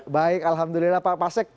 baik alhamdulillah pak sek